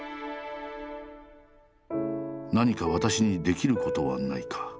「何か私にできることはないか」。